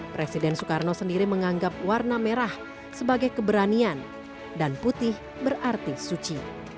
presiden soekarno sendiri menganggap warna merah sebagai keberanian dan putih berarti suci